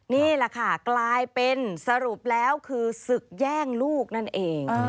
นี่แหละค่ะกลายเป็นสรุปแล้วคือศึกแย่งลูกนั่นเอง